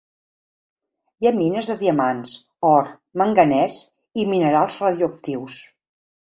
Hi ha mines de diamants, or, manganès i minerals radioactius.